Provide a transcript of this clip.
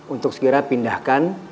untuk segera pindahkan